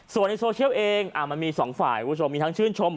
ส่วนในโซเชียลเองมันมีสองฝ่ายคุณผู้ชมมีทั้งชื่นชม